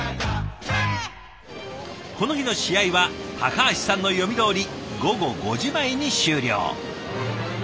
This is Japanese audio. この日の試合は橋さんの読みどおり午後５時前に終了。